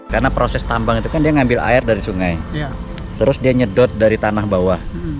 karena proses tambang itu kan dia ngambil air dari sungai terus dia nyedot dari tanah bawah